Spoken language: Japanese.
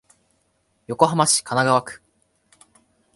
横浜市神奈川区